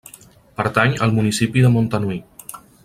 Pertany al municipi de Montanui.